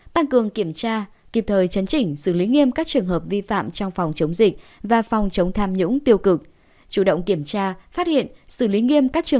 tăng cường kiểm tra kịp thời chấn chỉnh xử lý nghiêm các trường hợp vi phạm trong phòng chống dịch và phòng chống tham nhũng tiêu cực